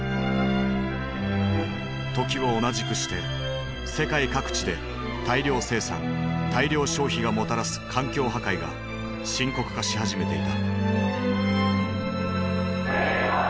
時を同じくして世界各地で大量生産大量消費がもたらす環境破壊が深刻化し始めていた。